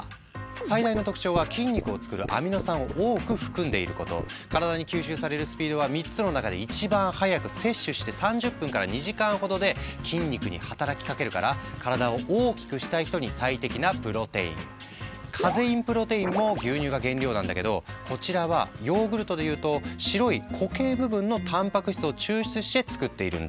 最大の特徴は体に吸収されるスピードは３つの中で一番早く摂取して３０分から２時間ほどで筋肉に働きかけるからカゼインプロテインも牛乳が原料なんだけどこちらはヨーグルトでいうと白い固形部分のたんぱく質を抽出して作っているんだ。